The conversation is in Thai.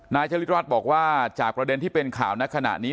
ชลิดรัฐบอกว่าจากประเด็นที่เป็นข่าวในขณะนี้